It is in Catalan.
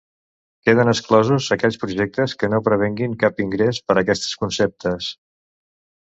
Queden exclosos aquells projectes que no prevegin cap ingrés per aquests conceptes.